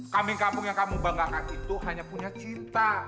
kampung kampung yang kamu banggakan itu hanya punya cinta